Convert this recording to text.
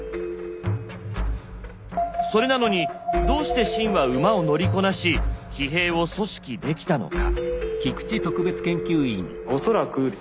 それなのにどうして秦は馬を乗りこなし騎兵を組織できたのか。